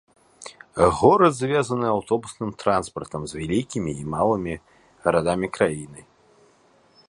Горад звязаны аўтобусным транспартам з вялікімі і малымі гарадамі краіны.